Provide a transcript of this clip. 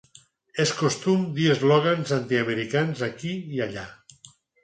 És costum dir eslògans antiamericans aquí i allà.